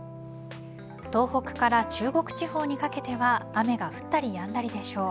東北から中国地方にかけては雨が降ったりやんだりでしょう。